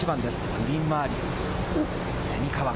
グリーン周り、蝉川。